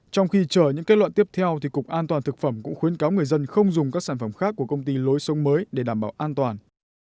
trong khi chờ những kết luận tiếp theo thì cục an toàn thực phẩm cũng khuyến cáo người dân không dùng các sản phẩm khác của công ty lối sống mới để đảm bảo an toàn